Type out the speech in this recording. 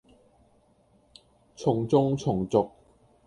從眾從俗